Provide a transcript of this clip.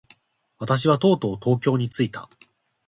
私はとうとう東京に着いた。